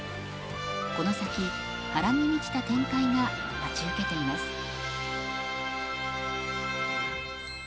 この先波乱に満ちた展開が待ち受けています。